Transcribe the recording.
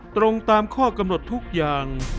ตรงตามข้อกำหนดทุกอย่าง